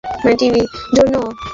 এমনকি আমি যে লোকের কাজ করি তার জন্যও।